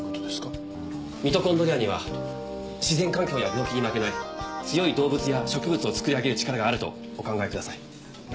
ミトコンドリアには自然環境や病気に負けない強い動物や植物を作り上げる力があるとお考えください。